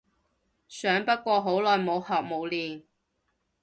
想不過好耐冇學冇練